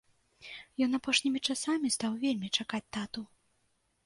Ён апошнімі часамі стаў вельмі чакаць тату.